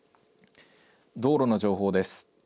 道路の情報です。